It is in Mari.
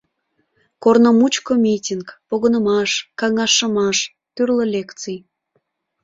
Корно мучко митинг, погынымаш, каҥашымаш, тӱрлӧ лекций.